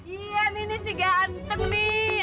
iya nih ini si ganteng nih